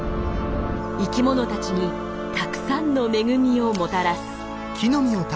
生きものたちにたくさんの恵みをもたらす。